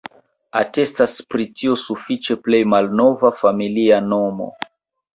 Atestas pri tio sufiĉe plej malnova familia nomo.